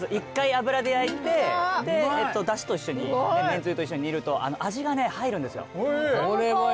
油で焼いてだしと一緒にめんつゆと一緒に煮ると味が入るんですよ